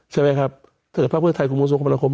ใช่ไหมครับถ้าเกิดภาพบริษัทไทยคมราคม